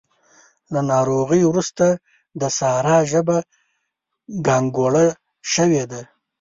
له ناروغۍ روسته د سارا ژبه ګانګوړه شوې ده.